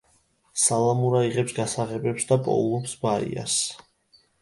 სალამურა იღებს გასაღებებს და პოულობს ბაიას.